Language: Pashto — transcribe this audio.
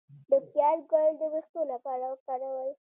د پیاز ګل د ویښتو لپاره وکاروئ